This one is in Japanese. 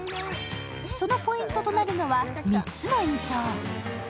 そのポイントとなるのは３つの印象